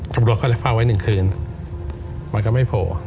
ตำรวจเขาเลยเฝ้าไว้๑คืนมันก็ไม่โผล่